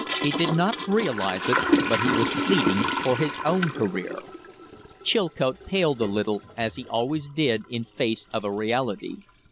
He did not realize it, but he was pleading for his own career. Chilcote paled a little, as he always did in face of a reality.